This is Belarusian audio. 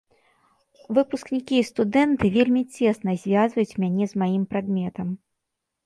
Выпускнікі і студэнты вельмі цесна звязваюць мяне з маім прадметам.